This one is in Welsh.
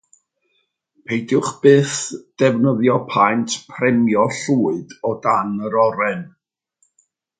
Peidiwch byth defnyddio paent preimio llwyd o dan yr oren!